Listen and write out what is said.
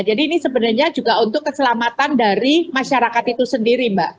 jadi ini sebenarnya juga untuk keselamatan dari masyarakat itu sendiri mbak